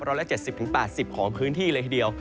ร้อยละ๗๐๘๐ของพื้นที่เลยทีเดียว